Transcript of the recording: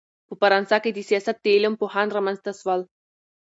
په فرانسه کښي دسیاست د علم پوهان رامنځ ته سول.